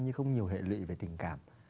như không nhiều hệ lụy về tình cảm